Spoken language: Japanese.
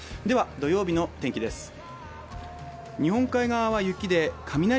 土曜日の天気です。